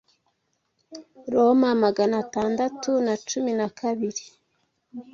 Roma magana atandatu na cumi nakabiri